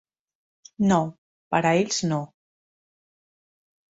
No, per a ells no.